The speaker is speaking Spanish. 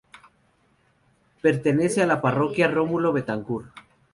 Pertenece a la parroquia Rómulo Betancourt.